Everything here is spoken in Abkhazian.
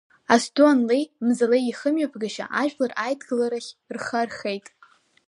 Асду анлеи Мзалеи ихымҩаԥгашьа ажәлар аидгыларахь рхы археит.